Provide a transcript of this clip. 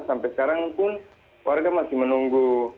sampai sekarang pun warga masih menunggu